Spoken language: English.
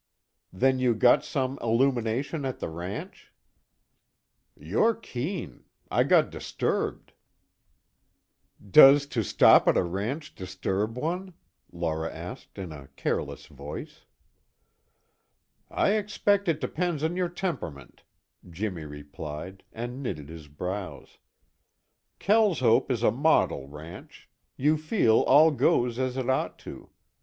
"Then you got some illumination at the ranch?" "You're keen. I got disturbed." "Does to stop at a ranch disturb one?" Laura asked in a careless voice. "I expect it depends on your temperament," Jimmy replied and knitted his brows. "Kelshope is a model ranch; you feel all goes as it ought to go.